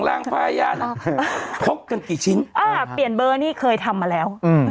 ล้างผ้ายันพกกันกี่ชิ้นอ่าเปลี่ยนเบอร์นี่เคยทำมาแล้วอืม